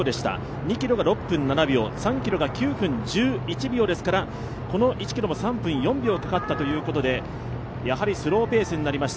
２ｋｍが６秒７秒、３キロが９分１１秒ですからこの１ｋｍ３分４秒かかったということでスローペースになりました。